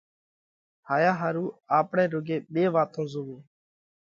هايا ۿارُو آپڻئہ روڳي ٻي واتون زووو۔